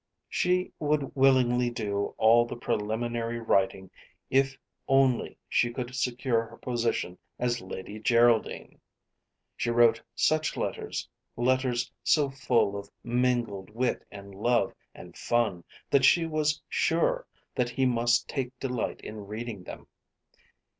She would willingly do all the preliminary writing if only she could secure her position as Lady Geraldine. She wrote such letters, letters so full of mingled wit and love and fun, that she was sure that he must take delight in reading them.